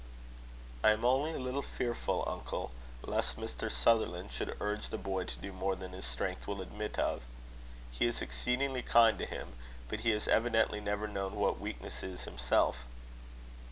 "I am only a little fearful, uncle, lest Mr. Sutherland should urge the boy to do more than his strength will admit of. He is exceedingly kind to him, but he has evidently never known what weakness is himself."